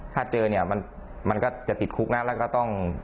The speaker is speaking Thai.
ถ้าเจอเนี่ยมันก็จะติดคุกนะแล้วก็ต้อง